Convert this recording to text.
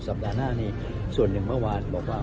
สัปดาห์หน้านี้ส่วนอย่างเมื่อวานบอกว่า